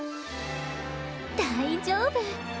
大丈夫。